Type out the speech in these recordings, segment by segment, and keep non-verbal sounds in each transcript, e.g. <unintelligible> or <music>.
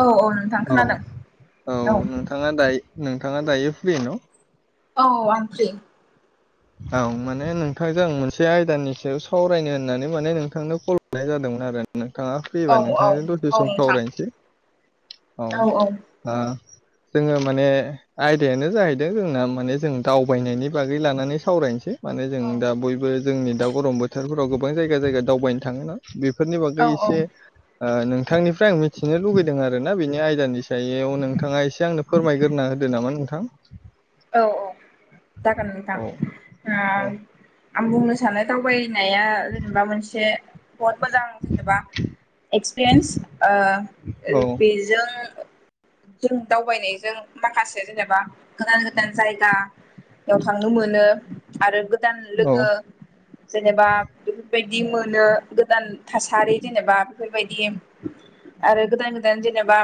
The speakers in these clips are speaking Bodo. औ औ खोनादों औ औ नोंथाङा दायो नोंथाङा दायो फ्रि न' औ आं फ्रि औ माने नोंथांजों आं मोनसे आयदानि सायाव सावरायनो होननानै माने नोंथांनो कल हरनाय जादोंमोन आरो नोंथाङा औ फ्रिबा औ नोंथांजों दसे औ सम नोंथां सावरायनोसै औ जोंङो माने आयदायानो जाहैदों जोंना माने जों दावबायनायनि बागै लानानै सावरायनोसै माने जों दा बयबो जोंनि दा गरम बोथोरफोराव गोबां जायगा जायगा दावबायनो थाङोना बे बेफोरनि औ बागै एसे नोंथांनिफ्राय आं मिथिनो लुुबैदों आरोना बेनि आइ सायाव नोंथाङा एसे आंनो फोरमायग्रोना होदो नामा नोंथां औ औ जागोन नोंथां औ औ आं बुंनो सानो दावबाइ फैनाया जेनेबा मोनसे बहुत मोजां जेनेबा एक्सपिरियेन्स औ बेजों जों दावबायनायजों माखासे जेनेबा गोदान गोदान गोदान जायगायाव थांनो मोनो आरो गोदान लोगो जेनेबा बेफोरबायदि बिदि मोनो गोदान थासारि जेनेबा बेफोरबायदि आरो गोदान गोदान जेनेबा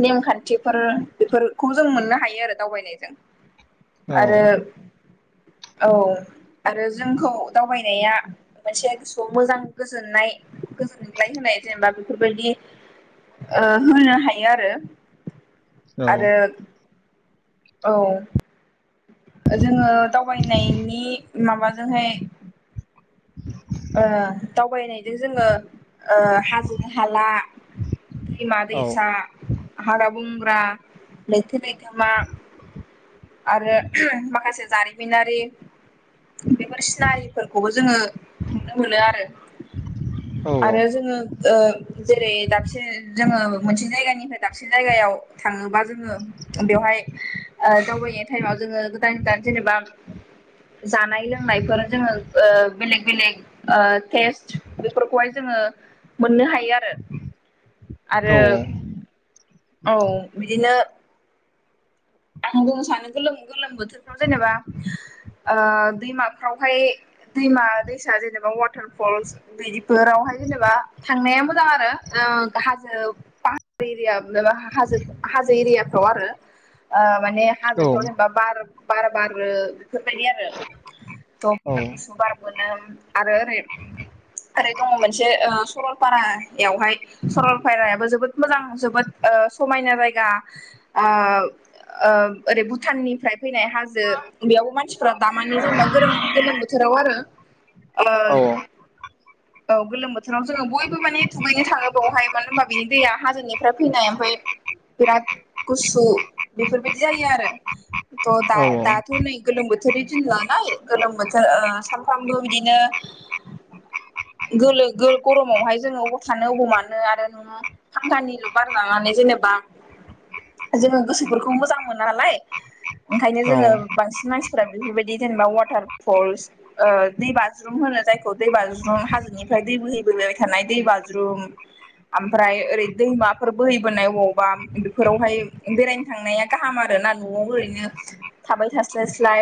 नेमखान्थिफोर बेफोरखौ जों मोननो हायो आरो दावबायनायजों आरो औ आरो जोंखौ दावबायनाया मोनसेया गोसोआव मोजां गोजोननाय गोजोनग्लाय होनाय जेनेबा बेफोरबायदि होनो हायो आरो आरो औ जोङो दावबायनायनि माबाजोंहाय दावबायनायजों जोङो हाजो हाला हमा दैसाा ह लैथो लैथोमा आरो मसे जारिमिनारि बेफोर सिनारिफोरखौबो जोङो नुनो मोनो आरो आरो जोङो जेरै दाबसे जोङो मोनसे जायगानिफ्राय दाबसिन जायगायाव थाङोबा जोङो बेवहाय दावबायनाय टाइमाव जोङो गोदान गोदान जेनेबा जानाय लोंनायफोर जोङो बेलेग बेलेग स् बेफोरखौहाय जोङो मोननो हायो आरो आरो औ बिदिनो जों सानो गोलोम बोथोरफ्राव जेनेबा दैमाफ्रावहाय दैमा दैसा जेनेबा वाटार फलस दैनि बावहाय जेनेबा थांनाया मोजां आरो हाजो पाहार एरिया मबााजो हाजो एरियाफ्राव आरो माने हाजोफ्राव जेनेबा बार बार, बार बेफोरबायदि आरो द बार गुसु बार मोनोम आरो ओरै ओरै दं'मोनसे सरलाराहाय सरलाराबो जोबो मोजां जबो समाय <unintelligible> आह ओ ओरै भुटाननिफ्राय फैनाय हाजो बेयावबो मानसिफ्रा दामानि जेनोबा गोलोम बोथोराव आरो आ औ गोलोम बोथोराव जोङो बयबो माने दुगैनो थाङो। बेावहाय मानो होनबा बिनि दैया हाजोनिफ्राय फैनाय ओमफ्राय बिराथ गुसु बेफोरबायदि जायो आरो थ' दा दाथ' नै गोलोम बोथोर बोथोरनि दिन लानाय गोलोम बोथोर सानफ्रामबो बिदिनो आ, गोल गरमावहाय जोङो अबाव थानो अबाव मानो आरो नोङो फांखानिल' बार लानानै जेनेबा जोङो गोसो बेफोरखौ मोजां मोनो नालाय ओंखायनो जोङो बांसिन मानसिफोरा बेफोरबायदि जेनेबा वाटार फलस दै बाज्रुम होनो जायखौ दै बाज्रुम हाजोनिफ्राय दै- दै बोहै बबोबाय थानाय दै बाज्रुम ओमफ्राय ओरै दैमाफोर बोहैबोनाय बबावबा बेफोरावहाय बेरायनो थांनाया गाहाम आर ना न'आव ओरैनो थाबाय थास्लायस्लाय।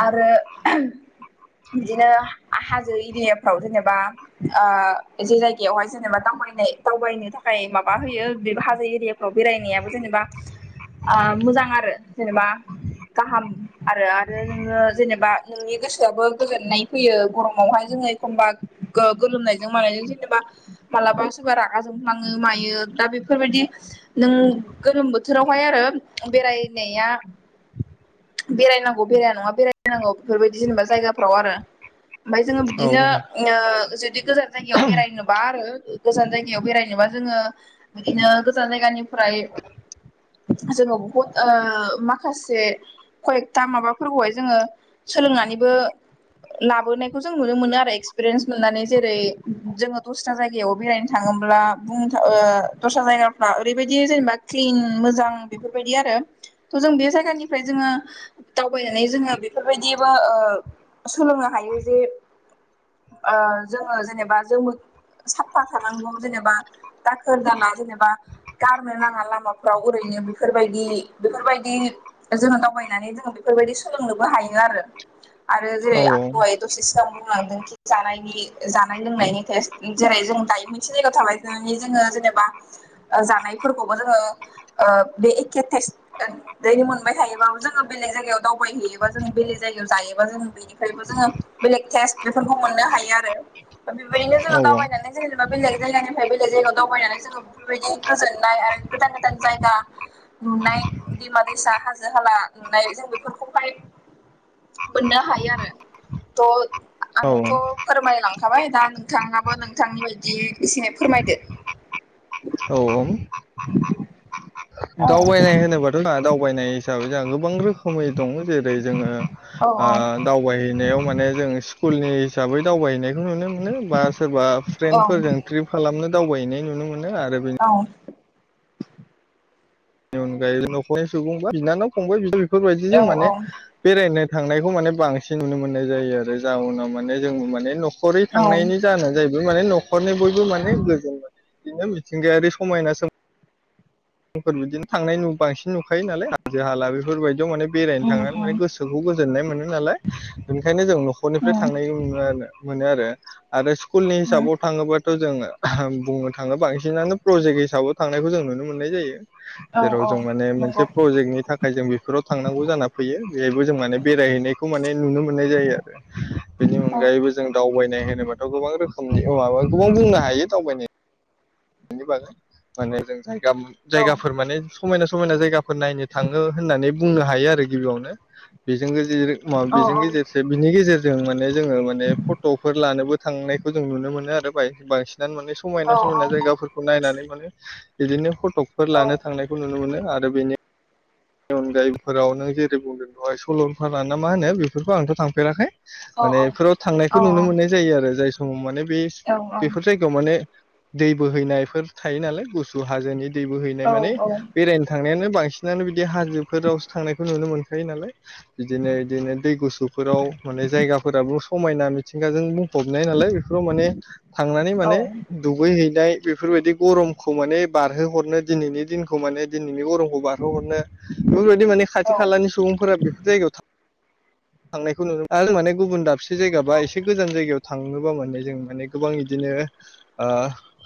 आरो बिदिनो हाजो एरियाफ्राव जेनेबा ओ जे जायगायावहाय जेनेबा द दावबायनो थाखाय माबा होयो बे हाजो एरियाफ्राव बेरायनायाबो जेनेबा मोजां आरो जेनेबा गाहाम आरो आरो नोङो जेनेबा नोंनि गोसोआबो गोजोननाय फैयो गरमावहाय जों जोङो एखमबा गोलोमनायजों मानायजों जेनेबा मालाबा सोरबा रागा जोंफ्लाङो मायो दा बेफोरबायदि नों गोलोम बोथोरावहाय आरो बेरायनाया बेरायनांगौ बेराया नङा बेरायनांगौ बेफोरबायदि जेनेबा जायगाफ्राव आरो। ओमफफ्राय जोङो बिदिनो जुदि गोजान जायगायाव बेरायनोबा आरो गोजान जायगायाव बेरायनोबा जोङो बिदिनो गोजान जायगानि निफ्राय जोङो बहुद माखासे खयकथा माबाफोरखौहाय जोङो सोलोंनानैबो लाबोनायखौ जों नुनो मोनो आरो एक्सपिरियेन्स मोननानै जेरै जोङो दस्रा जायगायाव बेरायनो थाङो। थाङोब्ला बुंनो थाङ दस्रा जायगाफ्रा ओरैबायदि जेनेबा क्लिन मोजां बेफोरबायदि आरो थ' जों बे जायगानिफ्राय जोङो दावबायनानै जोङो बेफोरबायदि सोलोंनो हायो जे जोङो जेनेबा जों साफा थानांगौ जेनेबा दाखोर दाला जेनेबा गारनो नाङा लामा फाव ओरैनो बेफोरबायदि बेफोरबायदि जोङो दावबायनानै जोङो बेफोरबायदि सोलोंनोबो हायो <unintelligible> जेरै <unintelligible> <unintelligible> <unintelligible> बुंलांदों जानायनि जानाय लोंनायनि टेस् जेरै जों दायो मोनसे जायगायाव थाबायनानै जोङो जेनेबा जानायफोरखौबो जोङो बे एके तेस मोनबाय थायोबाबो जोङो बेलेग जायगायाव दावबायहैयोबा जों बेलेग जायगायाव जायोबा जो बेनिफ्रायबो जोङो बेलेग टेस्ट बेफोरखौ मोननो हायो आरो। बेबायदिनो जोङो दावबायनानै जेनेबा बेलेग जायगानिफ्राय बेलेग जायगायाव दावबायनानै जोङो बेफोरबायदि गोजोननाय गोदान गोदान जायगा नुनाय दैमा दैसा हाजो हाला नुनाय जों बेफोरखौहाय बोननो हायो आरो थ' औ आंथ' फोरमायलांखाबाय दा नोंथाङाबो नोंथांनि बायदि एसे फोरमायदो। औ <inaudible> औ दावबायनाय होनोबाथ' ना दावबायनाय हिसाबै जा गोबां रोखोमै दङ जेरै जोङो ओ औ औ दावबायनायाव माने जों स्कुलनि हिसै दावबायहैनायखौ नुनो मोनो बा सोरबा औ उम फ्रेन्दफोरजों टिप खालामनो दावबायहैनाय नुनो मोनो आरो बे बनि अनगायै न'खरनि सुबुं बा बिनानाव फंबाय बिदा बेफोरबायदि जों माने बेरायनो थांनायखौ माने बांसिन नुनो मोननाय जायो आरो जाउनाव माने जों माने न'ख खरै उम थांनायनि जाना जाहैबाय माने न' खरननि बयबो माने गोजो मोनो बिदिनो मिथिंगायारि समायना सोम मफोर बिदिनो थांनाय बांसिन नुखायो नालाय हाजो हाला बेफोरबायदियाव माने बेरायनो थाङा माने गोसोखौ गोजोननाय मोनो नालाय बेनिखायनो जों न'खरनिफ्राय थांनाय उम नैनो मोनो आरो। मोनोआरो आरो स्कुलनि उम हिसाबाव थाङोबाथ' जोङो बुंनो थाङोब बांसिनानो प्रजेक्ट हिसाबै थांनायखौ जों नुनो मोननाय जायो। औ जेराव औ जों माने नंगौ मोनसे प्रजेक्टनि थाखाय जों बेफोराव थांनांगौ जाना फैयो बेहायबो जों माने बेरायहैनाय खौ माने नुनो मोननाय जायो आरो। बेनि औ अनगायैबो जों दावबायनाय होनोबाथ' गोबां रोखोमनि वाबा गोबां बुंनो हायो दावबायनो नि बागोय माने जों जायगाम- औ जायगाफोर माने समायना समायना जायगाफोर नायनो थाङो होननानै बुंनो हायो आरो गिबियावनो बेजोंनो जेर म औ बेजों गेजेरसे बिनि गेजेरजों माने जोङो माने फट'फोर लानोबो थांनायखौ जों नुनो मोनो आरो बाय-बांसिन। दान माने औ समायना समायना जायगाफोरखौ नायनानै माने बिदिनो फटकफोर लानो थांनायखौ नुनो मोनो आरो बेनि अनगायैफोराव नों जेरै बुंदों दहाय सलनफारा ना मा होनो बेफोरखौ आंथ' थांफेराखै। माने औ बेफोराव थांनायखौ नुनो मोननाय जायो आरो जाय समाव माने बे बेफोर जायगायाव माने दै बोहैनायफोर थायो नालाय गुसु हाजोनि दै बो हैैनाय माने बेरायनो थांनायानो बांसिनानो बि बि हाजोफोरावसो थांनायखौ नुनो मोनखायो नालाय बिदिनो बिदिनो दै गुसुफोराव माने जायगा फोराबो समायना मिथिंगाजों बुंफबनाय नालाय बेफोराव माने थांनानै माने दुगै है दाय बेफोरबायदि गरमखौ माने बारहोहरनो दिनैनि दिनखौ माने दिनैनि गरमखौ बारहोहरनो बेफोरबायदि माने खाथि खालानि सुबुंफोरा बेफोर जायगायाव थां थांनायखौ नुगो आरो माने गुबुन दाबसे जायगा बा एसे गोजान जायगायाव थाङोबा माने जों माने गोबां इदिनो ओ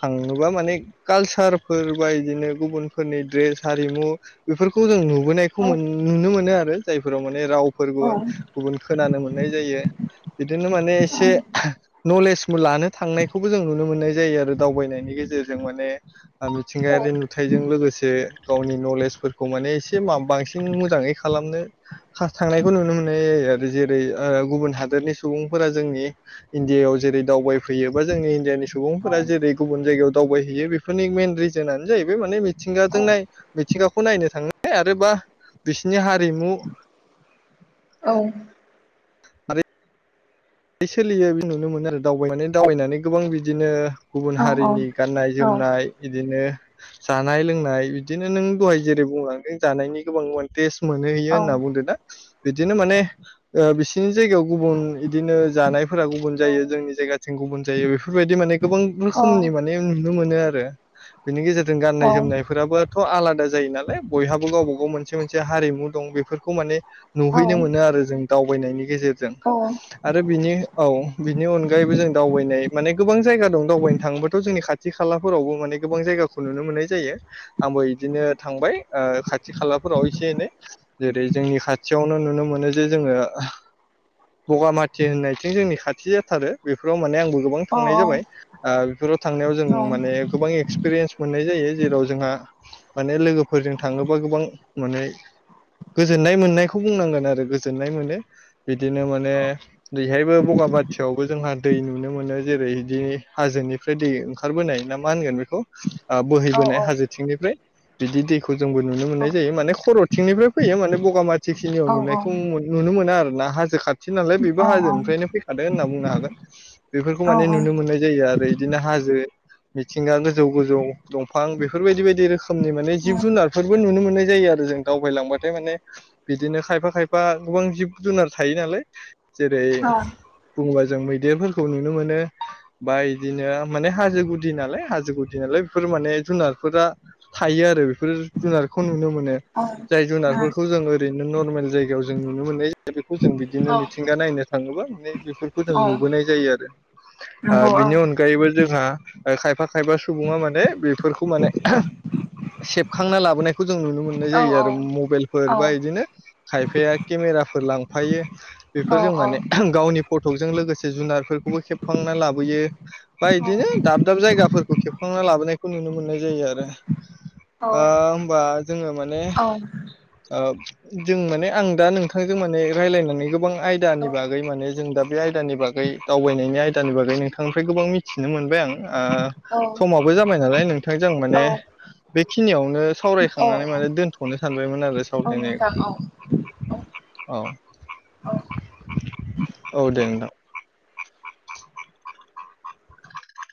थांनोबा माने कालसारफोर बादिनो गुबुनफोरनि द्रेस हारिमु बेफोरखौ जों नुबोनायखौ मोन नुनो मोनो आरो जायफोराव मान रावफोरबो गुबुन खोनानो मोननाय जायो। बिदिनो माने एसे नलेज लानो थांनायखौबो जों नुनो मोननाय जायो आरो दावबायनायनि गेजेरजों माने मिथिंगायारि नुथायजों लोगोसे गावनि नलेज खौ माने एसे बांसिन मोजाङै खालामनो थांनायखौ नुनो मोननाय जायो आरोश जेरै गुबुन हादोरनि सुबुंफोरा जोंनि इन्डि याव जेरै दावबायफैयो बा जोंनि इण्डियानि सु सुबुंफोरा जेरै गुबुन जायगायाव दावबायहैयो बेफोरनि मेन रिजोनानो जाहैबाय माने मिथिंगाजों नाय मिथिंगाखौ नायनो थाङो आरो बा बिसोरनि हारि हारिमु औ आरि बे सोलियो बे नुनो मोनो आरो दावबायनानै दावबायनानै गोबां बिदिनो गुबुन हारिनि गाननाय जोमनाय बिदिनो जानाय लोंनाय बिदिनो नों दहाय जेरै बुंलांदों जानायनि गोबां मन्टेस मोनहोहैयो होनना बुंदो दा बिदिनो माने बिसिनि ओ जायगायाव गुबुन बिदिनो जानायफोरा गुबुन जायो जोंनि जायगाथिं गुबुन जायो बेफोरबायदि माने गोबां रोखोमनि माने नुनो मोनो आ रो बिनि गेजेरजों गाननाय जोमनायफोराबोथ' आला दा जायो नालाय बयहाबो गावबा गाव मोनसे मोनसे हारिमु दं बेफोरखौ माने नुहैनो मोनो आरो जों दावबायनायनि गेजेरजों आरो बिनि औ बिनि अनगायैबो जों दावबायनाय माने गोबां जायगा दं दावबायनो थाङोबाथ' जोंनि खाथि खा खालाफोरावबो माने गोबां जायगाखौ नुनो मोननाय जायो आंबो बिदिनो थांबाय ओ खाथि खालाफोराव एसे एनै जेरै जोंनि खाथियावनो नुनो मोनो जे जोंङो बगामा थि होननायथिं जोंनि खाथि जाथारो बेफोराव माने आं बोगोबां थांनाय जाबाय ओ बेफोराव थांनायाव जों माने गोबां एक्सपिरियेन्स मोननाय जायो जेराव जोंहा माने लोगोफोरजों थाङोबा गोबां माने गोजोननाय मोननायखौ बुंनांगोन आरो गोजोननाय मोनो बिदिनो माने बेबो बगाबाथियावबो जोंहा दै नुनो मोनो जेरै बिदि हाजोनिफ्राय दै ओंखारबोनाय ना मा होन होनगोन बेखौ ओ बोहैबोनाय हाजोथिंनिफ्राय बिदि दैखौ जोंबो नुनो मोननाय जायो माने खर'थिंनिफ्राय फैयो माने बगामाथिखिनियाव नुनायखौ नुनो मोना आरोना। हाजो खाथि नालाय बे बो होफ्रायनो फैखादों होनना बुंनो हागोन बेफोरखौ माने नुनो मोननाय जायो आरो बिदिनो हाजो मिथिंगा गोजौ गोजौ दंफां बेफोरबायदि बायदि रोखो खोमनि माने जिब जुनारफोरबो नुनो मोननाय जायो आ जों दावबायलांबाथाय माने बिदिनो खायफा खायफा गोबां जिब जुनार थायो नालाय जेरै औ बुङोबा जों मैदेरफोरखौ नुनो मोनो बा इदिनो माने हाजो गुदि नालाय हाजो गुदि नालाय बेफोर माने जुनारफोरा थायो आरो बे बफोर जुनारखौ नुनो मोनो औ जाय जुनारफोरखौ जों ओरैनो नर्मेल जायगायाव जों नुनो मोननाय बेखौ जों बिदिनो औ मिथिंगा नायनो थाङोब्ला माने बेफोरखौ जों औ नुबोनाय जायो आरो नंगौ ओ औ बिनि अनगायैबो जोंहा खायबा सुबुङा माने बेफोरखौ माने सेबखांना लाबोनायखौ जों नुनो मोननाय औ जायो आरो मबाइलफोर औ बा बिदिनो खायफाया केमे राफोर लांफायो औ औ बेफोरजों माने गावनि फटकजों लोगोसे जुनार बा इदिनो दाब दाब जायगाफोरखौ खेबखांना लाबोनायखौ नुनो मोननाय जायो आरो। औ ओ होबा जोंङो माने ओ जों माने आं दा नोंथांजों माने रायज्लायनानै गोबां आयदानि औ बागै माने जों दा दानि बागै दावबायनायनि आयदानि बागै नोंथांनिफ्राय गोबां मिथिनो मोनबाय आं ओ समाबो जाबाय नालाय नोंथांजों माने बेखिनियावनो औ सावरायखांनानै माने दोनथ'नो सानबायमोन आरो औ नोंथां सावरायनायखौ औ औ औ औ दे नोंथां।